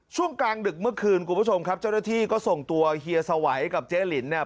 ช่วงกลางดึกเมื่อคืนคุณผู้ชมครับเจ้าหน้าที่ก็ส่งตัวเฮียสวัยกับเจ๊หลินเนี่ย